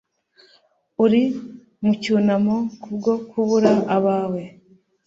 Uri mu cyunamo kubwo kubura abawe